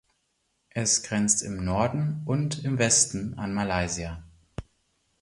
Es grenzt im Norden und im Westen an Malaysia.